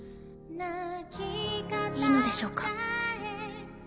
いいのでしょうか？